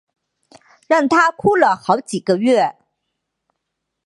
让她哭了好几个月